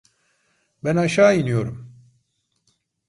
Ben aşağı iniyorum.